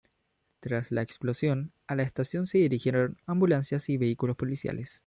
Tras la explosión, a la estación se dirigieron ambulancias y vehículos policiales.